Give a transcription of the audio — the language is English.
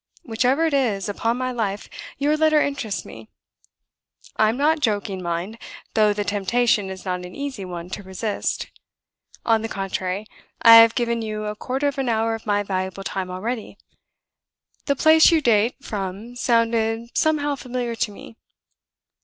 Whichever it is, upon my life your letter interests me. "I am not joking, mind though the temptation is not an easy one to resist. On the contrary, I have given you a quarter of an hour of my valuable time already. The place you date from sounded somehow familiar to me.